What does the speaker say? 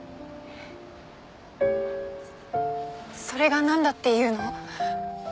それがなんだっていうの？